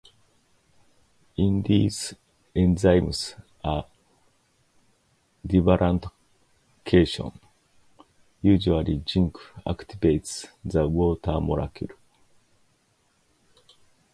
In these enzymes, a divalent cation, usually zinc, activates the water molecule.